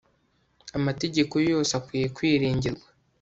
amategeko ye yose akwiye kwiringirwa